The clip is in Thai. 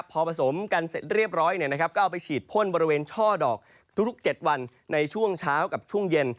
พอผสมกันเสร็จเรียบร้อยก็เอาไปฉีดพ่นบริเวณช่อดอกทุก๗วันในช่วงเช้ากับช่วงเย็น